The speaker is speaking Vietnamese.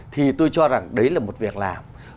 thì tôi cho rằng đấy là một việc làm